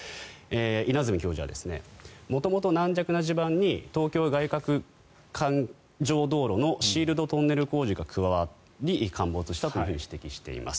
稲積教授は元々、軟弱な地盤に東京外かく環状道路のシールドトンネル工事が加わり陥没したと指摘しています。